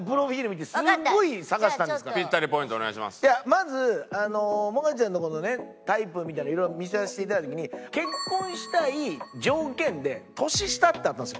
まずもがちゃんのこのねタイプみたいなのいろいろ見させていただいた時に結婚したい条件で「年下」ってあったんですよ。